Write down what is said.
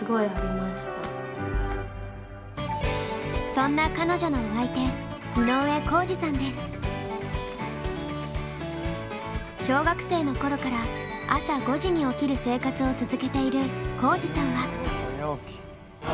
そんな彼女のお相手小学生の頃から朝５時に起きる生活を続けている皓史さんは。